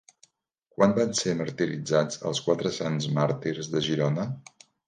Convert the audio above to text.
Quan van ser martiritzats els Quatre Sants Màrtirs de Girona?